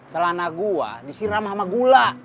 celana gua disiram sama gula